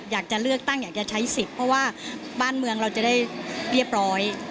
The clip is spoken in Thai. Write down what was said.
อยากจะเลือกตั้งอยากจะใช้สิทธิ์เพราะว่าบ้านเมืองเราจะได้เรียบร้อย